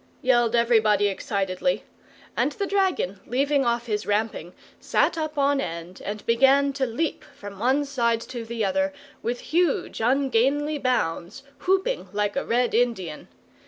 yelled everybody excitedly; and the dragon, leaving off his ramping, sat up on end, and began to leap from one side to the other with huge ungainly bounds, whooping like a Red Indian.